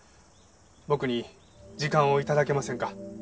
僕に時間を頂けませんか？